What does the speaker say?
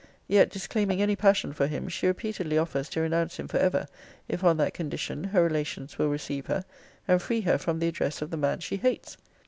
'Yet, disclaiming any passion for him, she repeatedly offers to renounce him for ever, if, on that condition, her relations will receive her, and free her from the address of the man she hates.